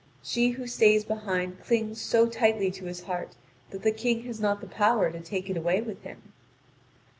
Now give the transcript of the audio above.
She who stays behind clings so tightly to his heart that the King has not the power to take it away with him.